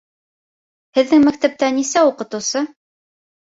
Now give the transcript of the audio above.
Һеҙҙең мәктәптә нисә укытыусы?